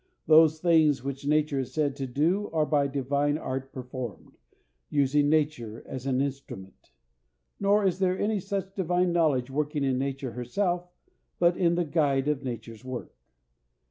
Those things which nature is said to do are by divine art performed, using nature as an instrument. Nor is there any such divine knowledge working in nature herself, but in the guide of nature's work.